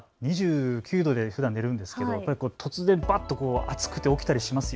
２９度でふだん寝るんですけど突然ばっと暑くて起きたりします。